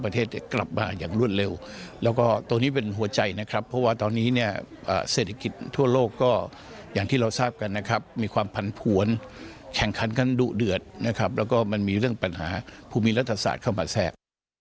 ทั่วโลกก็อย่างที่เราทราบกันนะครับมีความผันผวนแข่งคันกันดุเดือดนะครับแล้วก็มันมีเรื่องปัญหาผู้มีรัฐศาสตร์เข้ามาแทรก